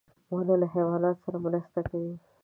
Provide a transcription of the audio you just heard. • ونه له حیواناتو سره مرسته کوي.